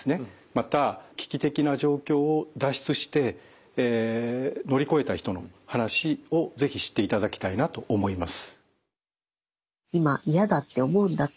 また危機的な状況を脱出して乗り越えた人の話を是非知っていただきたいなと思います。